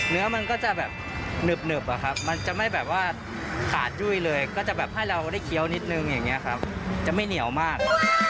เนื้อมันก็จะแบบหนึบอะครับมันจะไม่แบบว่าขาดยุ่ยเลยก็จะแบบให้เราได้เคี้ยวนิดนึงอย่างนี้ครับจะไม่เหนียวมาก